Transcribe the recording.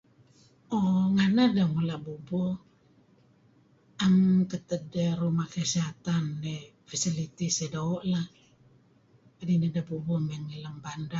Uhhh nganeh deh mula' bubuh, am ketedteh ruma' kesilatan facilities dih doo' bah kadi' nideh bubuh mey lem bandar.